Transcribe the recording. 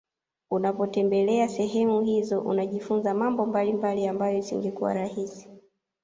Unapotembelea sehemu hizo unajifunza mambo mbalimbali ambayo isingekuwa rahisi